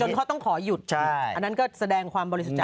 เขาต้องขอหยุดอันนั้นก็แสดงความบริสุทธิ์ใจ